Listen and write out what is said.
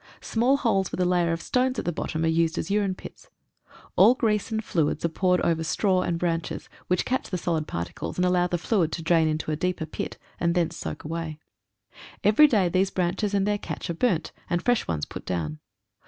Small holes with a layer of stones at the bottom are used as urine pits. All grease and fluids are poured over straw and 54 SOME AWFUL CONDITIONS. branches, which catch the solid particles, and allow the fluid to drain into a deeper pit, thence soak away. Every day these branches and their catch are burnt, and fresh ones put down.